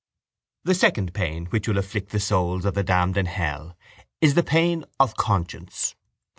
The second pain which will afflict the souls of the damned in hell is the pain of conscience.